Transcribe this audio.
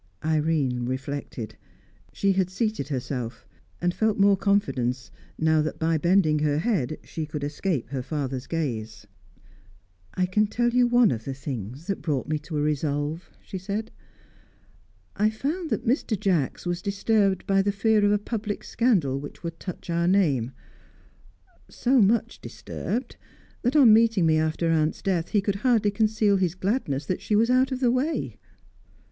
Irene reflected. She had seated herself, and felt more confidence now that, by bending her head, she could escape her father's gaze. "I can tell you one of the things that brought me to a resolve," she said. "I found that Mr. Jacks was disturbed by the fear of a public scandal which would touch our name; so much disturbed that, on meeting me after aunt's death, he could hardly conceal his gladness that she was out of the way."